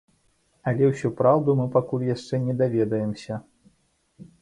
Але ўсю праўду мы пакуль яшчэ не даведаемся.